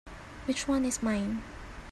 Which one is mine?